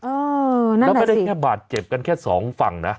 เออนั่นแหละสิแล้วไม่ได้แค่บาดเจ็บกันแค่สองฝั่งนะ